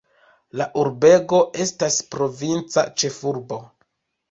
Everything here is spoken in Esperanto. La urbego estas provinca ĉefurbo.